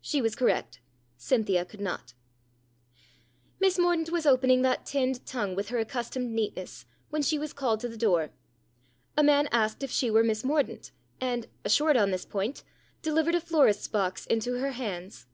She was correct. Cynthia could not. Miss Mordaunt was opening that tinned tongue with her accustomed neatness, when she was called to the door. A man asked if she were Miss Mordaunt, and assured on this point delivered a florist's box into her hands.